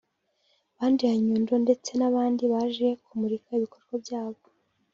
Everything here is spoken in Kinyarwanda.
Band ya Nyundo ndetse n’abandi baje kumurika ibikorwa byabo